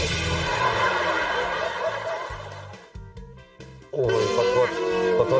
ตอนนี้กลับเลยเพราะทำงานกันเถอะน่ะ